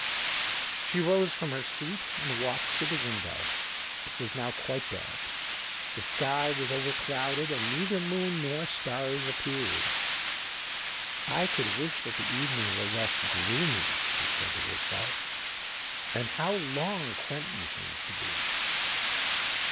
She rose from her seat and walked to the window: it was now quite dark—the sky was overclouded—and neither moon nor stars appeared. "I could wish that the evening were less gloomy," she said to herself. "And how long Quentin seems to be!"